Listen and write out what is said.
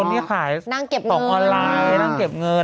ที่ขายของออนไลน์นั่งเก็บเงิน